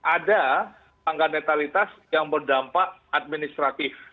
ada tangga netralitas yang berdampak administratif